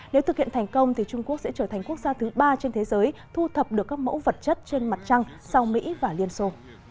nếu thực hiện thành công thì trung quốc sẽ trở thành quốc gia thứ ba trên thế giới thu thập được các mẫu vật chất trên mặt trăng sau mỹ và liên xô